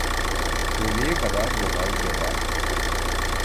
Öğleye kadar bu hal devam etti.